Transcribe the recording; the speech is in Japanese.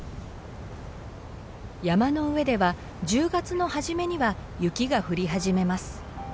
山の上では１０月の初めには雪が降り始めます。